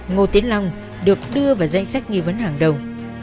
ngô tiến long được đưa vào danh sách nghi vấn hàng đầu